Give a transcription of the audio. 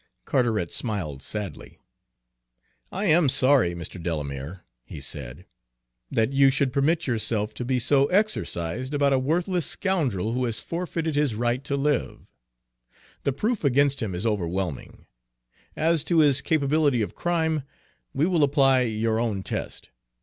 Carteret smiled sadly. "I am sorry, Mr. Delamere," he said, "that you should permit yourself to be so exercised about a worthless scoundrel who has forfeited his right to live. The proof against him is overwhelming. As to his capability of crime, we will apply your own test.